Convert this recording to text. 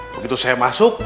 begitu saya masuk